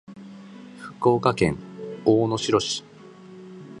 福岡県大野城市